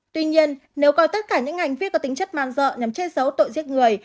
tuy nhiên nếu có tất cả những hành vi có tính chất man dợ nhằm che giấu tội giết người